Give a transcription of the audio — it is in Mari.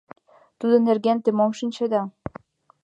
Тудын нерген те мом шинчеда?